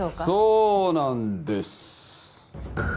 そうなんです